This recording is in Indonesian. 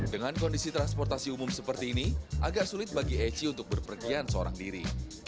dengan kondisi transportasi umum seperti ini agak sulit bagi eci untuk berpergian seorang diri